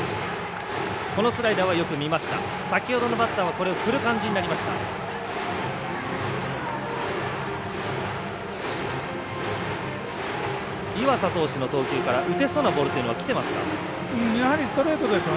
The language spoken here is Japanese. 先ほどのバッターはスライダーを振る感じになりました。